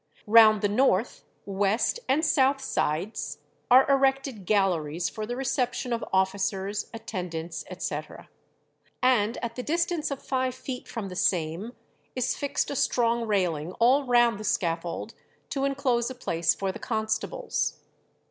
Round the north, west, and south sides are erected galleries for the reception of officers, attendants, &c., and at the distance of five feet from the same is fixed a strong railing all round the scaffold to enclose a place for the constables.